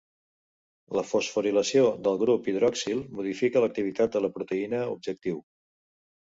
La fosforilació del grup hidroxil modifica l'activitat de la proteïna objectiu.